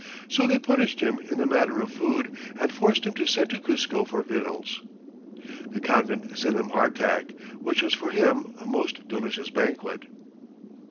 So they punished him in the matter of food, and forced him to send to Cuzco for victuals. The Convent sent him hard tack, which was for him a most delicious banquet."